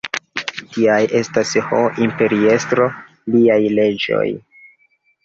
Tiaj estas, ho imperiestro, liaj leĝoj.